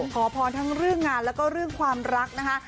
ขอพรทั้งเรื่องงานแล้วก็เรื่องความรักนะคะ